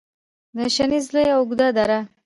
د شنیز لویه او اوږده دره